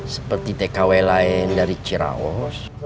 seperti tkw lain dari ciraus